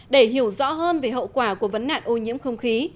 để hiểu rõ hơn về hậu quả của vấn nạn ô nhiễm không khí